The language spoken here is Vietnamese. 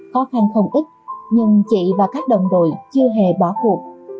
khó khăn không ít nhưng chị và các đồng đội chưa hề bỏ cuộc